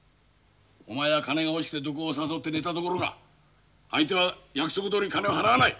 お前は金が欲しくて土工を誘って寝たところが相手は約束どおり金を払わない。